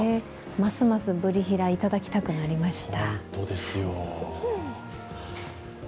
ますますブリヒラ、いただきたくなりました。